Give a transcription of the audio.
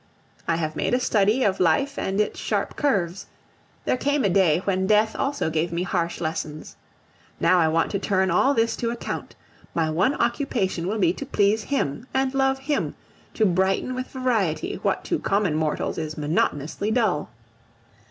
I have made a study of life and its sharp curves; there came a day when death also gave me harsh lessons. Now I want to turn all this to account. My one occupation will be to please him and love him, to brighten with variety what to common mortals is monotonously dull.